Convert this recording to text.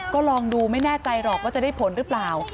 ก็ลองดูไม่แน่ใจหรอกว่าจะได้ผลหรือเปล่า